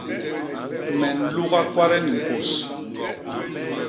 Me nluga kwade ni mpôs.